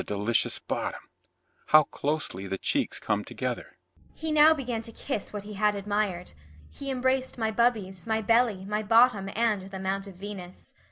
He now began to kiss what he had admired. He embraced my bubbies, my belly, my bottom and the mount of Venus.